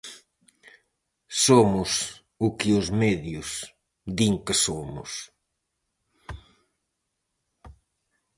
Somos o que os medios din que somos.